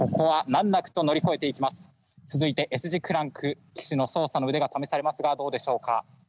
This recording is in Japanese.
続いてＳ字クランク騎手の操作の腕が試されますがどうでしょうか？